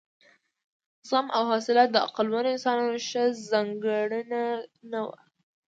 زغم او حوصله د عقلمنو انسانانو ښه ځانګړنه نه وه.